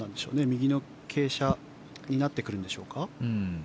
右の傾斜になってくるんでしょうか。